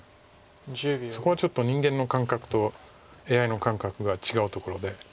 そこはちょっと人間の感覚とＡＩの感覚が違うところで。